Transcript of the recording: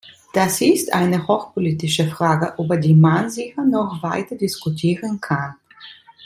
Das ist eine hochpolitische Frage, über die man sicher noch weiter diskutieren kann.